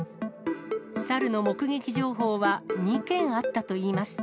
サルの目撃情報は２件あったといいます。